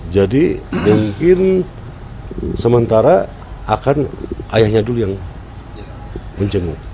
jadi mungkin sementara akan ayahnya dulu yang menjenguk